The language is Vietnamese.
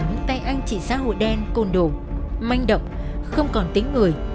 những tay anh trị xã hội đen côn đồ manh động không còn tính người